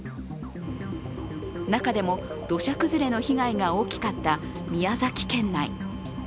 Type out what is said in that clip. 中でも土砂崩れの被害が大きかった宮崎県内。